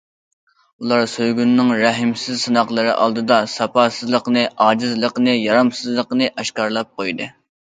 ئۇلار سۆيگۈنىڭ رەھىمسىز سىناقلىرى ئالدىدا ساپاسىزلىقىنى، ئاجىزلىقىنى، يارامسىزلىقىنى ئاشكارىلاپ قويدى.